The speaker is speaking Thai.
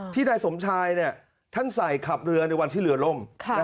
นายสมชายท่านใส่ขับเรือในวันที่เรือล่ม